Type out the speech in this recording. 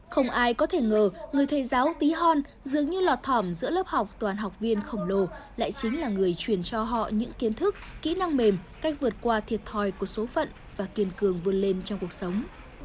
không ai có thể ngờ người thầy giáo tí hon dường như lọt thỏm giữa lớp học toàn học viên khổng lồ lại chính là người truyền cho họ những kiến thức kỹ năng mềm cách vượt qua thiệt thòi của số phận và kiên cường vượt lên trong cuộc sống